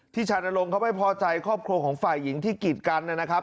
ชานลงเขาไม่พอใจครอบครัวของฝ่ายหญิงที่กีดกันนะครับ